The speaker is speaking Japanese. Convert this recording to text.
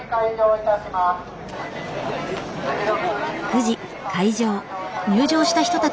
９時開場。